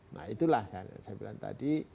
nah itulah kan yang saya bilang tadi